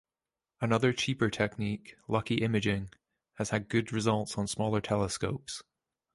Another cheaper technique, lucky imaging, has had good results on smaller telescopes.